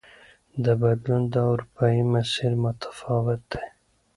د بدلون دا اروپايي مسیر متفاوت دی.